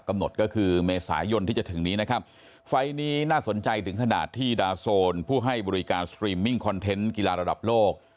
กำหนดก็คือเมษายนที่จะถึงนี้นะครับไฟล์นี้น่าสนใจถึงขนาดที่ดาโซนผู้ให้บริการสตรีมมิ่งคอนเทนต์กีฬาระดับโลก